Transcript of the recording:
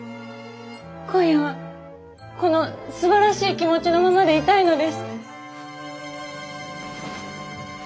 今夜はこのすばらしい気持ちのままでいたいのです。